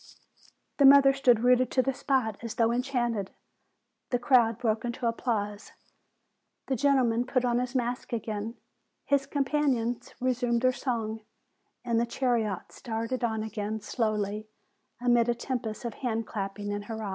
The mother stood rooted to the spot, as though en chanted. The crowd broke into applause. The gentleman put on his mask again, his companions re THE BLIND BOYS 153 sumed their song, and the chariot started on again slowly, amid a tempest of hand clapping and hurrahs.